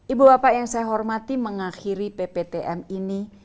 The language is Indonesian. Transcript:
ibu bapak yang saya hormati mengakhiri pptm ini